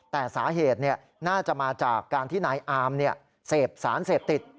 แต่สาเหตุน่าจะมาจากการที่นายอามเสพสารเสพติด